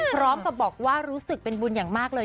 พร้อมกับบอกว่ารู้สึกเป็นบุญอย่างมากเลย